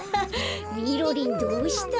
みろりんどうしたの？